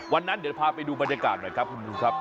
วันนั้นเดี๋ยวพาไปดูบรรยากาศหน่อยครับคุณดูครับ